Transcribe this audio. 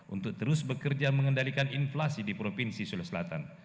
untuk terus bekerja mengendalikan inflasi di provinsi sulawesi selatan